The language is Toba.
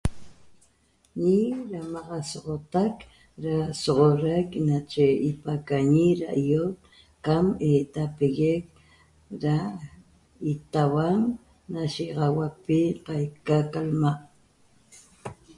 ñi damaxasoxotac da soxoraic nache ipacañi da ioot qam etapeguec da itahuan na shixahuapi na qaica qa lma.